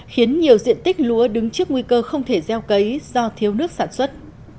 khiến nhiều diện tích lúa đứng trước nguy cơ không thể gieo cấy do thiếu nước sản xuất